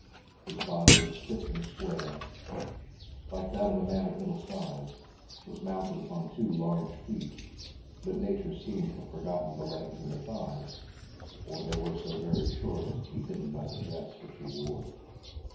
His body, thick and square, like that of a man of middle size, was mounted upon two large feet; but nature seemed to have forgotten the legs and the thighs, or they were so very short as to be hidden by the dress which he wore.